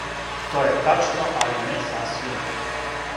То је тачно, али не сасвим.